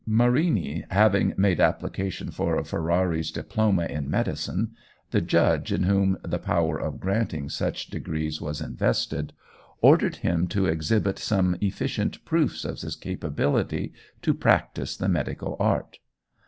Marini having made application for a Ferrarese diploma in medicine, the judges in whom the power of granting such degrees was invested, ordered him to exhibit some efficient proofs of his capability to practise the medical art.